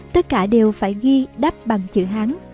tất cả đều phải ghi đắp bằng chữ hán